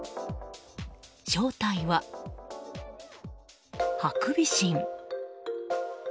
正体は、ハクビシン。